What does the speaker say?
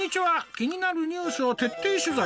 気になるニュースを徹底取材！